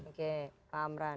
oke pak amran